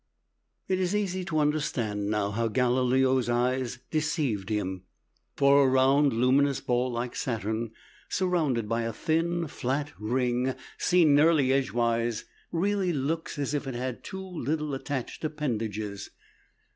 It is easy to understand now how Galileo's eyes deceived him. For a round luminous ball like Saturn, surrounded by a thin flat ring seen nearly edgewise, really looks as if it had two little attached appendages.